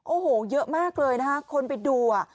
โอ้โหเยอะมากเลยนะคะคนไปดู